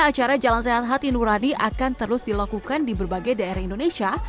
acara jalan sehat hati nurani akan terus dilakukan di berbagai daerah indonesia